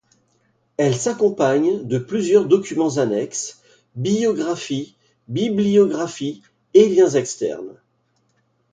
Elles s'accompagnent de plusieurs documents annexes, biographies, bibliographies et liens externes.